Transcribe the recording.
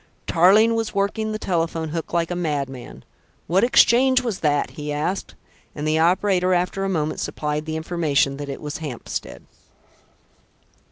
Tarling was working the telephone hook like a madman. "What exchange was that?" he asked, and the operator after a moment supplied the information that it was Hampstead.